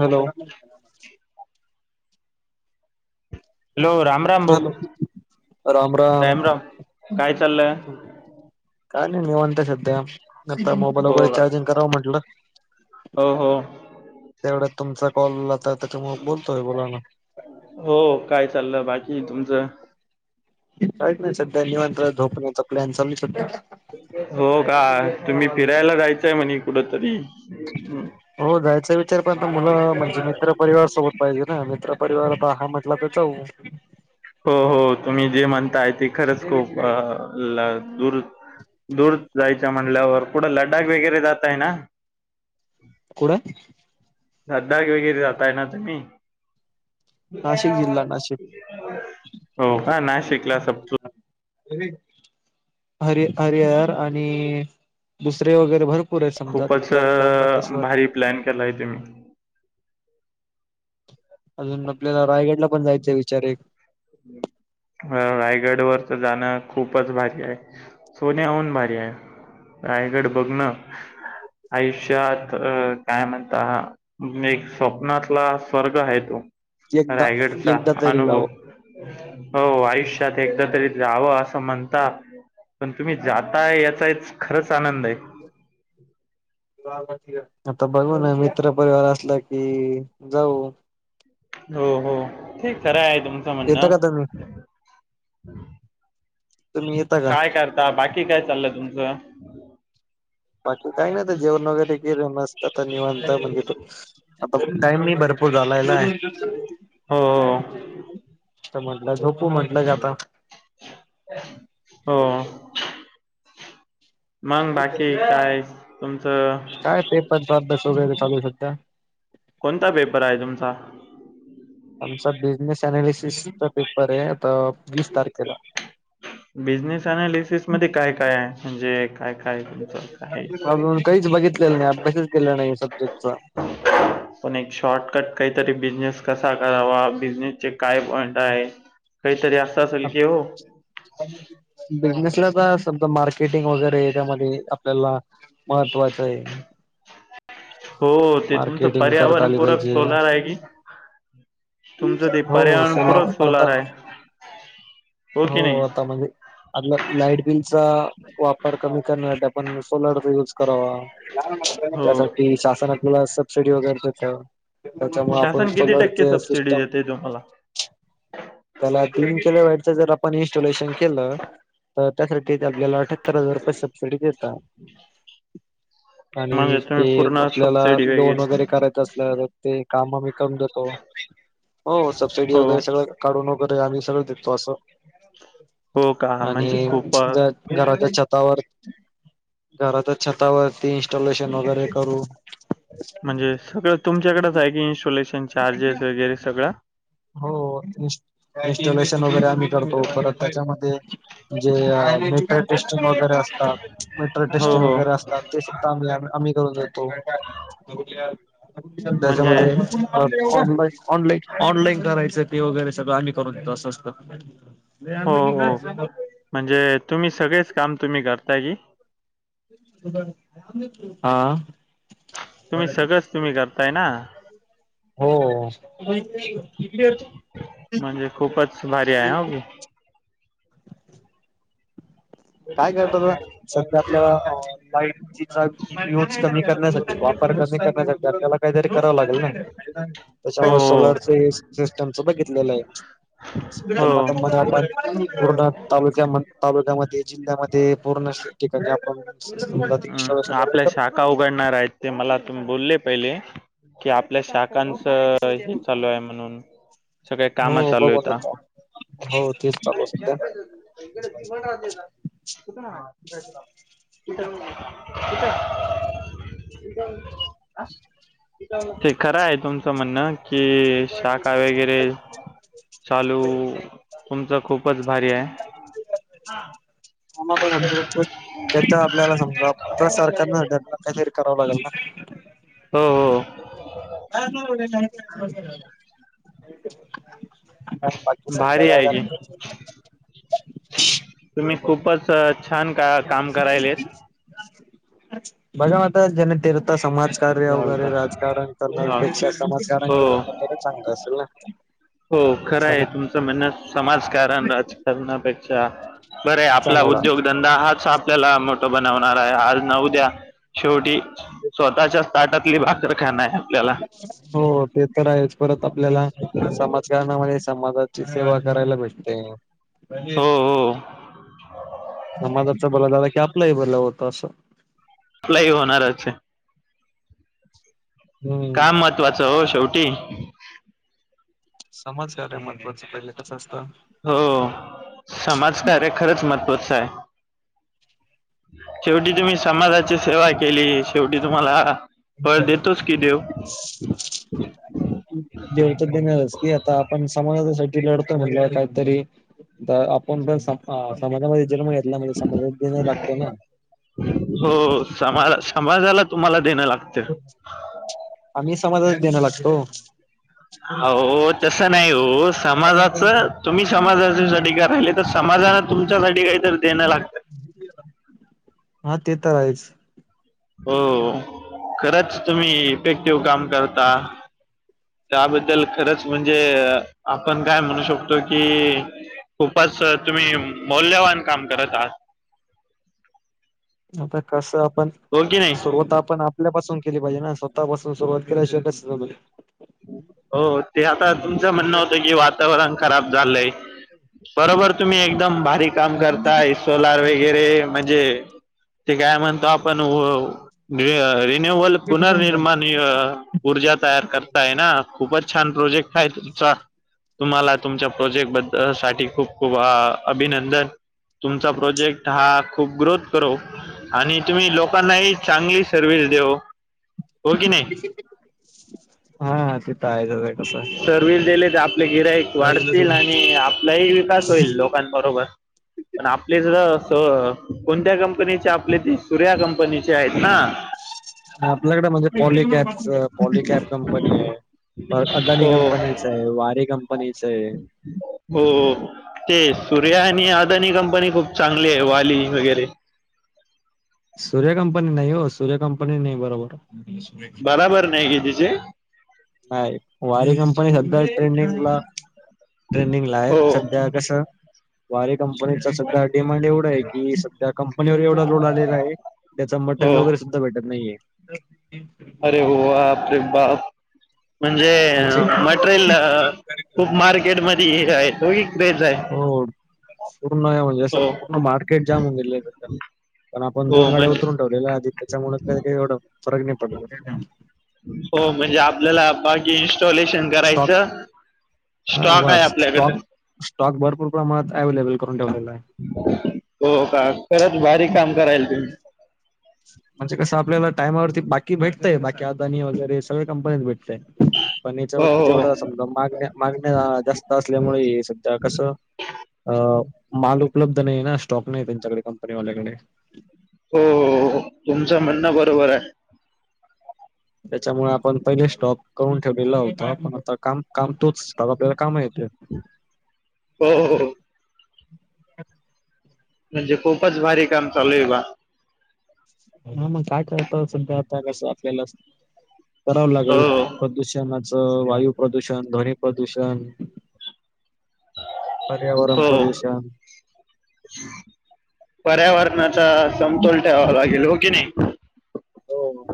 Hello hello Ram. Ram भाऊ hello Ram Ram रामराम काय चाललंय? काय नाही निवांत आहे सध्या. आता मोबाईल हो वगैरे का चार्जिंग करावं म्हंटलं. हो हो तेवढ्या तुमचा कॉल आलता म बोलतोय बोला ना. हो काय चाललं बाकी तुमचं? काहीच नाही सध्या निवांतराव झोपण्याचा प्लॅन चालू संध्या हो का तुम्ही फिरायला जायचंय म्हणे कुठ तरी हो जायचा विचार पण आता मुलं म्हणजे मित्र परिवार सोबत पाहिजे ना, मित्र परिवार हा म्हटला तर जाऊ हो हो तुम्ही जे म्हणताय ते खरंच खूप दूर दूर जायचं म्हणल्यावर कुठं लडाख वगैरे जाताय ना कड धदाग वगैरे जाताय ना तुम्ही नाशिक जिल्हा नाशिक हो हा ना शिकला स हर हरर आणि दुसरे वगैरे भरपूर आहे समजा खूपच तिथं त्र्यंबकेश्वर भारी प्लॅन केलाय तुम्ही अजून आपल्याला रायगडला पण जायचा आहे विचार एक हं रायगड वर तर जाणं खूपच भारी आहे सोन्या होन भारी आहे रायगड बघ ना आयुष्यात अ काय म्हणता एक स्वप्नातला स्वर्ग आहे तो एकदा रायगडचा एकदा तरी जावं अनुभव हो आयुष्यात एकदा तरी जावं असं म्हणता पण तुम्ही जाता याचा एक खरंच आनंद आहे आता बघू ना मित्र पररिवार असला कि जाऊ हो हो ठीक खरं आहे तुमचं येता म्हणणं. का तुम्ही का काय करता बाकी काय चाललंय तुमचं बाकी काही नाही, आता जेवण वगैरे केलं मस्त आता निवांत म्हणजे तो आता टाईम ही भरपूर झालायं ना हो आता म्हटलं झोपू म्हटलं का आता हो मंग बाकी काय तुमचं काय पेपरचा अभ्यास वगैरे चालू संध्या कोणता पेपर आहे तुमचा आमचा बिझनेस अनालिसिसचा पेपर आहे आता वीस तारखेला बिझनेस अनालिसिस मध्ये काय काय आहे म्हणजे काय काय तुमचं काय? अजून काहीचं बघितलेलं नाही अभ्यासाचं केला नाही सब्जेक्टचा ह पण एक शॉर्टकट काहीतरी बिझनेस कसा करावा बिझनेस चे काय पॉईंट आहे काहीतरी असं असेल की हो बिझनेसला आता समजा मार्केटिंग वगैरे त्यामध्ये आपल्याला महत्त्वाचं आहे हो ते तुमचं मार्केटिंग करता पर्यावरण आली पूरक पाहिजे सोलार आहे की तुमचं ते हो सोलर पर्यावरणपूरक पण आता सोलार आहे हो की नाही आता म्हणजे आपलं लाईट बिलचा वापर कमी करण्यासाठी आपणं सोलरचा यूज करावा हो त्यासाठी शासनातल्याला सबसिडी वगैरे देत त्याच्यामुळे आपण चल वाडते सिस्टम तेेतो मला त्याला तीन किल वटच जर आपण इन्स्टॉलेशन केलं तर त्यासाठी आपल्याला हतरा हजार रुपये सब्सिडी देतता आणि म्हणजे ते तुम्ही पूर्ण आपल्याला सबसिडी लोन वगैरे करायचं असल्या ते काम आ्ही कम जातो हो सबसिडी हो वगैरे सगळं वगरे आम्ही सगळं देतो अस हो [inaudible] का आणि म्हणजे खूप आमची अ, जात घराच्या छतावर [inaudible] घराच्या छतावर इनस्टॉलेशन वगैरे करू [inaudible] तुमच्याकडच आहे की इन्स्टॉलेशन चार्जेस वगैरे सगळं हो इनस्टॉलेशन वगैरे आम्ही करतो परत त्याच्यामध्ये म्हणजे मेटल टेस्टिंग वगैरे असतात मिटर हो टेस्टिंग हो वगैरे असतात तेच काम आम्ही-आम्ही करून देतो. म्हणजे त्याच्यामध्ये ऑनलाई-ऑनलाईन-ऑनलाईन करायचं ते वगैरे सगळं आम्ही करून देतो असं असतं हो हो म्हणजे तुम्ही सगळेच काम तुम्ही करताय की, [unintelligible] हा तुम्ही सगळंच तुम्ही करताय ना? हो-हो [inaudible] म्हणजे खूपच भारी आहे होघी काय करतो, त सध्या आपल्या लाईटचा यूज कमी करण्यासाठी वापर कमी करण्यासाठी आपल्याला काहीतरी करावं लागेल ना त्याच्यामुळे हो सोलर हो सिस्टमच बघितलेलं आहे. तबा हो तबा आपण पूर्ण तालुक्या तालुक्यामध्ये जिल्ह्यामध्ये पूर्ण ठिकाणी आपण हम् इन्स्टॉलेशन वगैरे आपल्या करतो शाखा उघडणार आहेत ते मला तुम्ही बोलले पहिले कि आपल्या शाखांच हे चालू आहे म्हणून सगळे काम हो चालू बघू यता नंतर हो तेच काय चालू सध्या चाय पियाच होत [unintelligible] [unintelligible] बर. [inaudible] ते खरं आहे तुमचं म्हणणं की शाख काय वगैरे चालू तुमचं खूपच भारी आहे [unintelligible] हा, आम [unintelligible] त्याच्या आपल्याला समजा आप सरकार ना व्हल काहीतरी करावं लागेल ना? हम [unintelligible] आता भारी आहे की [unintelligible] तुम्ही खूपच छान का काम करायले [inaudible] बजाता जने तेर आता समाजकार्य वगैरे राहुलकर राजकारण राहुल करण्यापेक्षा समाजकारण हो केले बर चांगलं असेल ना? हो खरं सम आहे तुमचं म्हणणं समाजकारण राजकारणापेक्षा अच्छा बरं आपला चांगला उद्योगधन हाच आपल्याला मोठ बनवणार आहे आज नऊ द्या शेवटी स्वतःच्या ताटातली भाकरर खाण आहे आपल्याला हो ते तर आहेच परत आपल्याला समाजकारणामध्ये समाजाची सेवा करायला भेटते. [inaudible] हो हो समाजाचा बला झाला की आपलंही बला होत असं भलाई होणारच हे हम्म का महत्त्वाचं हो शेवटी समाजकार्य महत्त्वाच पहिले कसं असतं हो समाजकार्य खरंच महत्त्वाचं आहे. शेवटी तुम्ही समाजाची सेवा केली शेवटी तुम्हाला फळ देतोस की देव. [unintelligible] जेवत देणारच की आता आपण समाजासाठी लढतो म्हणलं काहीतरी तर आपण पण स समाजामध्ये जन्म घेतला म्हणजे समाज नाही लागतो ना हो समा समााजाला तुम्हाला देणं लागत आम्ही समाधना देण लागतो हो तस नाही हो समाजाचं तुम्ही समाजासाठी राहिले तर समाजाला तुमच्यासाठी काहीत देणं लागत हा ते तर आहेच हो खरंच तुम्ही इफेक्टिव्ह काम करता त्याबद्दल खरंच म्हणजे आपण काय म्हणू शकतो कि खूपच तुम्ही मौल्यवान काम करत आहात आता कस आपण हो की नाही सुरवात पण आपल्या पाासून केली पाहिजे ना स्वतःपासून सुरुवात केल्या शिवट हो ते आता तुमचं म्हणणं होत की वा वाण खराब झालंय बरोबर तुम्ही एकदम काम करताय सोलार वगैरे म्हणजे ते काय म्हणतो आपण नवल पुनर्निर्माण ऊर्जा तयार करत खूप छ प्रजेक् तुम्हाला तुमच्या प्रेट ब साठी खूप खूप अभिनंदन तुमचा प्रोजेक्ट हा खूप ग्रोथ करो आणि तुम्ही लोकांनाही चांगली सर्वि्हस देऊ हो की नाही हा तेिथ आहेचईटसं आहे सर्व्हिस दिले तर आपले गिरायक वाढतील आणि आपलाही विकास होईल लोकांबरोबर पण आपले ज कोणत्या कंपनीचे आपले ती सुर्या कंपनीचे आहेत ना आपल्याकडे म्हणजे पॉलिकॅप पॉलिकॅप कंपनी आहे अदानी हो कंपनी वारी कंपनीचे आहे हो ते सूर््या आणि अदानी कंपनी खूप चांगली आहे वाली वगैरे सूर्य कंपनी नाही हो सूर्य कंपनी नाही बरोबर बराबर नाही कितीेचे ह वारी कंपनी सध्या ट्रेंडिंगला ट्रेंडिंगला आहे हो सध्या कस वारे कंपनीचा सध्या डिमांड एवढा आहे की सध्या कंपनीवर एवढा लोन आलेला आहे त्याचा हो मटरल वगैरे सुद्धा भेटत नाहीये अरे होरे बा म्हणजे म्हणजे मटेरियल खूप मार्केट मध्ये हे आहे तोघ तेच आहे हो पूर्ण म्हणजे अस हो पूर्ण मार्केट जाम होऊन गेले पण आपण दोन हो गाड्या म्हणजे उतरून ठेवलेल्या आधी त्याच्यामुळे काही काही एवढं फरक नाही पडला हो म्हणजे आपल्याला बाकी इन्स्टॉलेशन स्टॉक करायचं हा स्टॉक ब आहे आपल्याकडे स्टॉक स्टॉक भरपूर प्रमाणात अव्लेबल करून ठेवलेला आहे हो का खरत बारीक काम करायल तुम्ही म्हणजे कस आपल्याला टायमावरती बाकी भेटतंय बाकी आदानी वगैरे सगळ्या कंपनीत भेटत पण हो याच्यावरती हो जेवढं अस समजा मागण्या मागण्या जास्त असल्यामुळे सध्या कसं अ माल उपलब्ध नाही ना स्टॉक नाही त्यांच्याकडे कंपनी वाल्याकडे हो तुमचं म्हणणं बरोबर आहे त्याच्यामुळे आपण पहिले स्टॉप करून ठेवलेला होता पण आता काम काम तोच स्टॉप आपल्याला काम येते हो हो म्हणजे खूपच भारी काम चालू आहे बा ह मग काय करता सध्या आता कसं आपल्याला कराव हो लागे प्रदूषणाचं वायू प्रदूषण ध्वनी प्रदूषण पर्यावरण हो. प्रदूषण. पर्यावरणाचा समतोल ठेवा लागेल हो कि नाही. हो हो.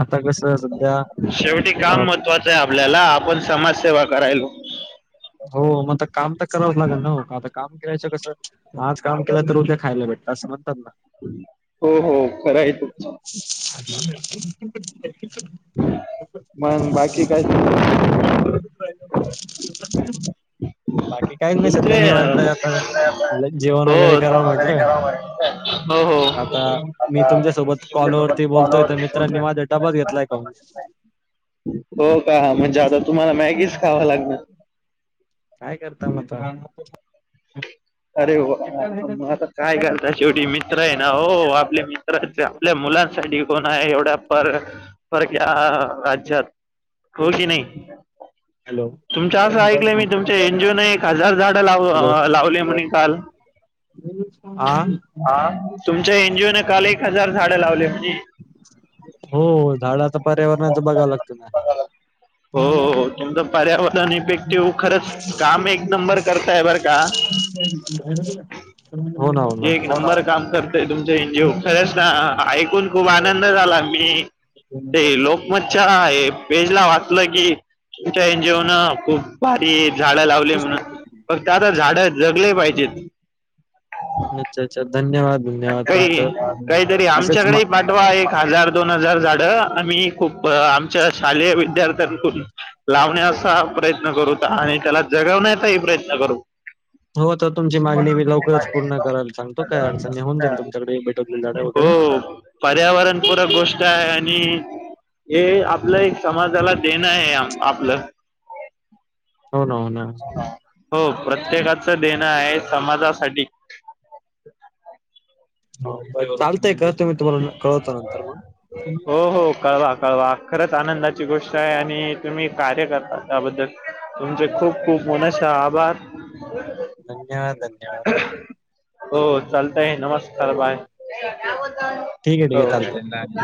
आता कसं सध्या शेवटी अ, काम महत्वाच. आपल्याला आपण समाजसेवा करायलो. हो मग काम तर करावंच लागेल ना हो का आता काम रायच कस हज काम केलं तर उद्या खायला भेटतात असं म्हणतात ना. हो हो खरं आहे तुच? [unintelligible] मण बाकी काय? [unintelligible] बाकी काहीच नाही सध्या तुमचे निवत अ, आपण म्ह जेवण वगैरे हो कराव म्हटलं. हो हो आता मी तुमच्यासोबत कॉलवररती बोलतोय तर मित्रांनी वादो डबाच घेतलाय काून हो का म्हणजे आता तुम्हाला मॅगीच खावं लागणार. काय करता म त अरे आता काय करता शेवटी मित्र आहे ना हो आपल्या मित्रां आपल्या मुलांसाठी कोण आहे एवढ्या पर परक राज्यात हो की नाही. हॅलो तुमच असं ऐकलंय मी तुमच्या एनजीओ न एक हजार झाड लाव हॅलो. लावले म्हण. [unintelligible] हा. हा तुमच्या एनजीओ न काल एक हजार झाड लावले म्हणजे हो झाडा तर पर्यावरणाच बघावं लागतं ना. [unintelligible] हो तुमचं पर्यावरण इफेक्टिव खरंच काम एक नंबर करताय बरं का? [unintelligible] हो ना हो एक ना. नंबर काम करतय तुमच एनजीओ खरच ना ऐकून खूप आनंद झाला मी पूर्ण करला असत. च्या पेज ला वाचलं की तुमच्या एन जीओन खूप बारी झाडं लावली म्हणून फक्त आता झाडं जगले पाहिजेत. अच्छा अच्छाधन्यवाद. काही काहीतरी म आमच्याकडे पाठवा एक हजार दोन हजार झाड आम्ही खूप आमच्या शालेय विद्यार्थ्यांकून लावण्याा प्रयत्न करू आणि त्याला जगवण्याचाही प्रयत्न करू. हो तर तुमची मागणी मी लवकरच पूर्ण करायला सांगतो काय अडचणी तुच्याकडे भेटवड वगैरे हो पर्यावरणपूरक गोष्ट आहे आणि हे आपलं एक समाजाला देणं आहे आपलं. हो ना हो ना हो प्रत्येकाच देणं आहे समाजासाठी हो चालत. हो हो कळवा कळवा. खरंच आनंदाची गोष्ट आहे आणि तुम्ही कार्य करता त्याबद्दल तुमचे खूप खूप मनसे आभार. [unintelligible] धन्यवादन. हो चालतय नमस्कार बाय. ठीक आहे ठीक हो. आहे चालतंय